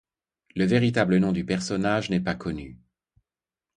Le véritable nom du personnage n'est pas connu.